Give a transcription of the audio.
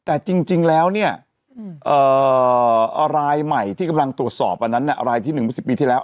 แต่จริงแล้วเนี่ยรายใหม่ที่กำลังตรวจสอบอันนั้นรายที่๑เมื่อ๑๐ปีที่แล้ว